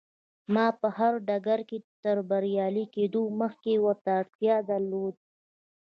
ما په هر ډګر کې تر بريالي کېدو مخکې ورته اړتيا درلوده.